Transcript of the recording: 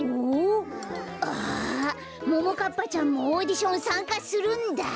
あももかっぱちゃんもオーディションさんかするんだ。